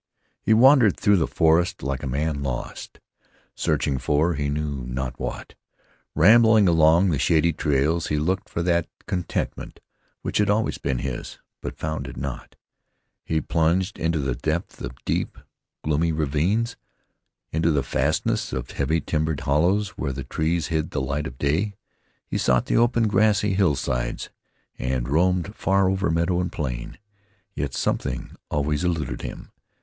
He wandered through the forest like a man lost, searching for, he knew not what. Rambling along the shady trails he looked for that contentment which had always been his, but found it not. He plunged into the depths of deep, gloomy ravines; into the fastnesses of heavy timbered hollows where the trees hid the light of day; he sought the open, grassy hillsides, and roamed far over meadow and plain. Yet something always eluded him.